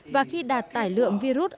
và khi đạt tải lượng virus